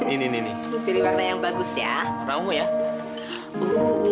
ini ini ini yang bagus ya